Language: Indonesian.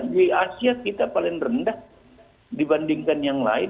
di asia kita paling rendah dibandingkan yang lain